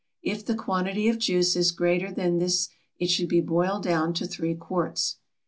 If the quantity of juice is greater than this it should be boiled down to 3 quarts.